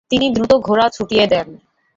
তিনি দ্রুত ঘোড়া ছুটিয়ে দেন।